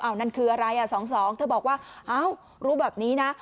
อ้าวนั่นคืออะไรสองเธอบอกว่ารู้แบบนี้นะ